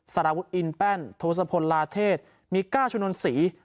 สารวุฒิอินแป้นโทสะพลลาเทศมีก้าชนนศรี